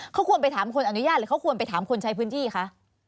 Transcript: เขาควรไปถามคนอนุญาตหรือเขาควรไปถามคนใช้พื้นที่คะ